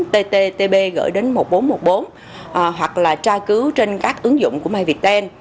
tt tb gửi đến một nghìn bốn trăm một mươi bốn hoặc là tra cứu trên các ứng dụng của myviettel